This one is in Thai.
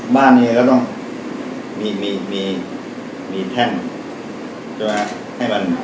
บ้านนี้ก็ต้องมีแท่นใช่ไหมครับ